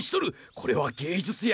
これは芸術や！